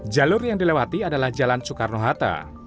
jalur yang dilewati adalah jalan soekarno hatta